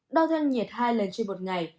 đo dân nhiệt hai lần trên một ngày